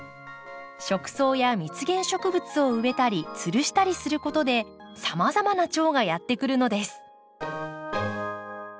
食草や蜜源植物を植えたりつるしたりすることでさまざまなチョウがやって来るのです。